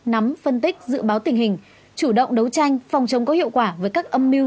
nắm phân tích dự báo tình hình chủ động đấu tranh phòng chống có hiệu quả với các âm mưu